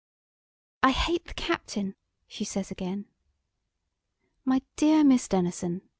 "I hate the captain!" she says again. "My dear Miss Denison!"